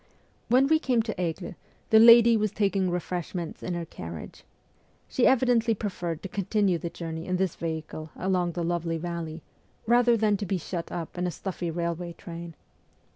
When we came to Aigle, the lady was taking refreshments in her carriage. She evidently preferred to continue the journey in this vehicle along the lovely valley, rather than to be shut up in a stuffy railway train.